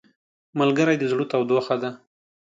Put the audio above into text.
ملګری د زړه تودوخه ده